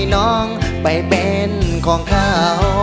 น้องไปเป็นของเขา